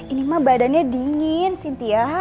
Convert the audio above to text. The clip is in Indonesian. ini mah badannya dingin sintia